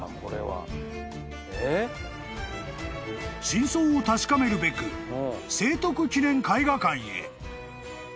［真相を確かめるべく聖徳記念絵画館へ］